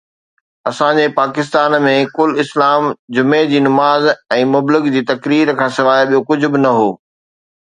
اسان جي پاڪستان ۾ ڪل اسلام جمعي جي نماز ۽ مبلغ جي تقرير کان سواءِ ٻيو ڪجهه به نه هو